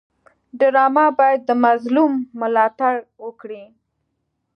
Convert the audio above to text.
ډرامه باید د مظلوم ملاتړ وکړي